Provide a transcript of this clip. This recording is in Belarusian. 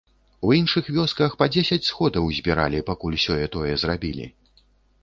У іншых вёсках па дзесяць сходаў збіралі, пакуль сёе-тое зрабілі.